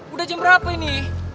udah jam berapa ini